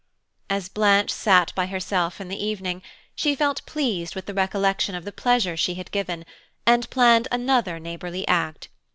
As Blanche sat by herself in the evening, she felt pleased with the recollection of the pleasure she had given, and planned another neighbourly act.